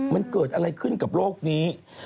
มันเกิดอะไรขึ้นกับโลกนี้